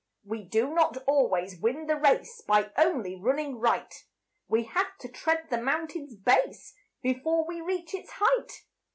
We do not always win the race, By only running right, We have to tread the mountain's base Before we reach its height.